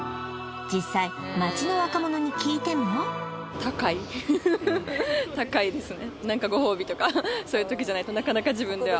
実際街の若者に聞いても高いですね